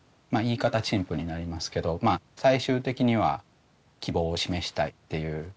陳腐になりますけど最終的には希望を示したいっていう。